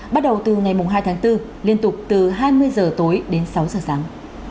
bắt đầu từ ngày hai tháng bốn liên tục từ hai mươi h tối đến sáu h sáng